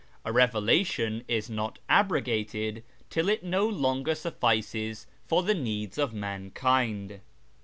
A revelation is not abrogated till it no longer suffices for the needs of mankind.